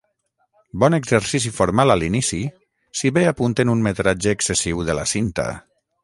Bon exercici formal a l'inici, si bé apunten un metratge excessiu de la cinta.